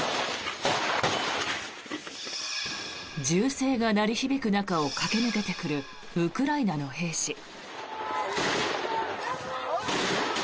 銃声が鳴り響く中を駆け抜けてくるウクライナの兵士。